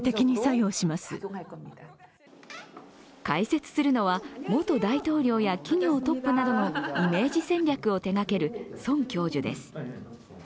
解説するのは元大統領や企業トップなどのイメージ戦略を手がけるソン教授です。